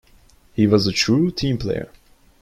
He was a true team player.